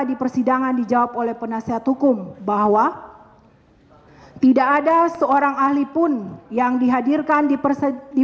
di persidangan dijawab oleh penasehat hukum bahwa tidak ada seorang ahli pun yang dihadirkan di